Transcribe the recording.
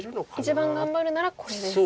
一番頑張るならこれですか。